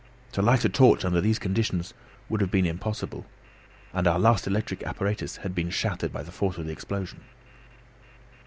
To light a torch under these' conditions would have been impossible; and our last electric apparatus had been shattered by the force of the explosion.